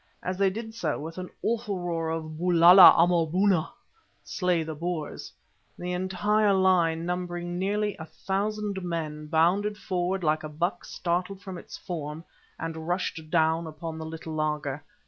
As they did so, with an awful roar of "Bulala Amaboona"—"Slay the Boers," the entire line, numbering nearly a thousand men, bounded forward like a buck startled from its form, and rushed down upon the little laager.